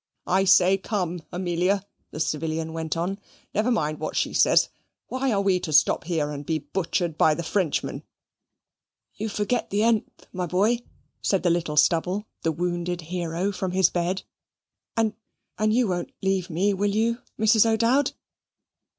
"I say come, Amelia," the civilian went on; "never mind what she says; why are we to stop here and be butchered by the Frenchmen?" "You forget the th, my boy," said the little Stubble, the wounded hero, from his bed "and and you won't leave me, will you, Mrs. O'Dowd?"